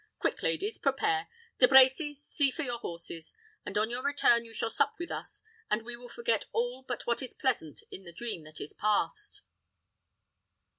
Quick, ladies! prepare. De Brecy, see for your horses; and on your return you shall sup with us, and we will forget all but what is pleasant in the dream that is past."